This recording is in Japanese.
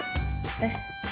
えっ？